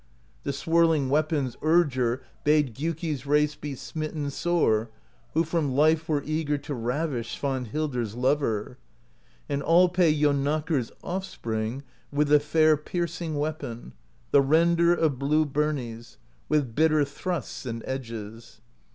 The swirling weapons' Urger Bade Gjuki's race be smitten Sore, who from life were eager To ravish Svanhildr's lover; And all pay Jonakr's offspring With the fair piercing weapon, The render of blue birnies, — With bitter thrusts and edges.